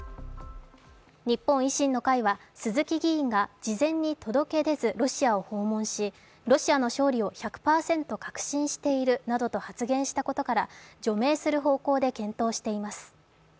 日本維新の会は鈴木議員が事前に届け出ずロシアを訪問し、ロシアの勝利を１００％確信しているなどと発言したことから除名する方向で検討しています。